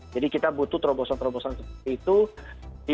jadi kita butuh terobosan terobosan seperti itu di dua ribu dua puluh empat